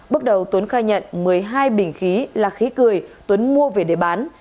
bước đầu tuấn khai nhận một mươi hai bình khí là khí cười tuấn mua về để bán